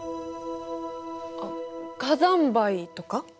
あっ火山灰とか？